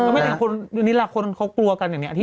นี่แหละคนเขากลัวกันอย่างนี้